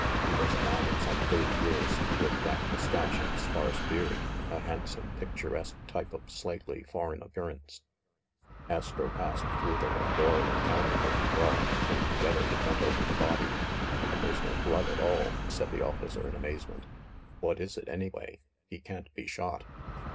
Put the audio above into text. He was a man of some thirty years, with black mustache and sparse beard, a handsome picturesque type of slightly foreign appearance. THE MIDDLEBURY MURDER 391 Astro passed through the little door in the counter with McGraw, and together they bent over the body. "There's no blood at all !" said the officer in amaze ment. "What is it, anyway? He can't be shot!"